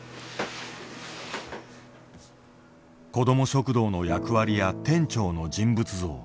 子ども食堂の役割や店長の人物像。